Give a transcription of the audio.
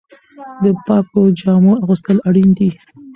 د پاکو جامو اغوستل اړین دي.